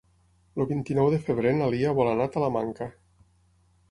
El vint-i-nou de febrer na Lia vol anar a Talamanca.